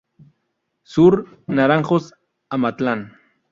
Sur: Naranjos Amatlán.